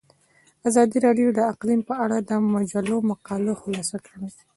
ازادي راډیو د اقلیم په اړه د مجلو مقالو خلاصه کړې.